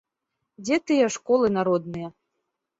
Дзе тыя школы народныя?